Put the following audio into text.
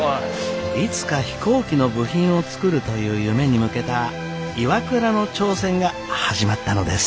いつか飛行機の部品を作るという夢に向けたＩＷＡＫＵＲＡの挑戦が始まったのです。